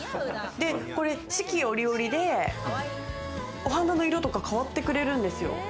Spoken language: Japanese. これ四季折々で、お花の色とか変わってくれるんですよ。